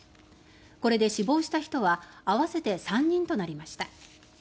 これで死亡した人は合わせて３人となりました。